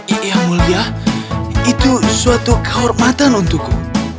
iya mulia itu suatu kehormatan untukku